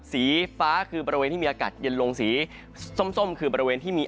สีฟ้าคือบริเวณที่มีอากาศเย็นลงสีส้มคือบริเวณที่มี